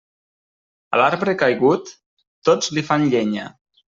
A l'arbre caigut, tots li fan llenya.